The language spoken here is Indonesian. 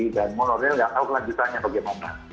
dan monorail yang nggak tahu kelanjutannya bagaimana